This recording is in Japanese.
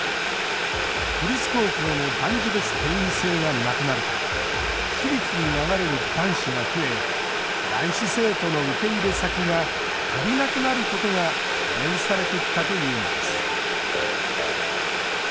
都立高校の男女別定員制がなくなると私立に流れる男子が増え男子生徒の受け入れ先が足りなくなることが懸念されてきたというのです。